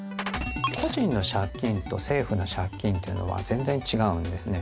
個人の借金と政府の借金というのは全然違うんですね。